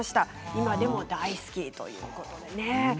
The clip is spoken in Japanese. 今でも大好きということです。